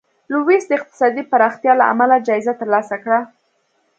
لویس د اقتصادي پراختیا له امله جایزه ترلاسه کړه.